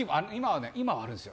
今はあるんですよ。